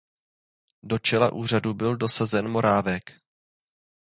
Do čela úřadu byl dosazen Morávek.